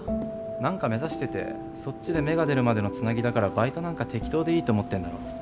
何か目指しててそっちで芽が出るまでのつなぎだからバイトなんか適当でいいと思ってるんだろ。